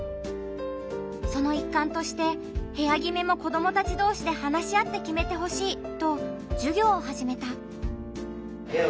その一環として部屋決めも子どもたち同士で話し合って決めてほしいと授業を始めた。